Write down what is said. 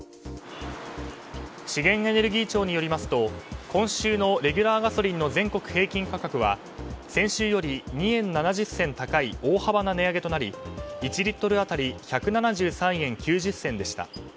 資源エネルギー庁によりますと今週のレギュラーガソリンの全国平均価格は先週より２円７０銭高い大幅な値上げとなり１リットル当たり１７３円９０銭でした。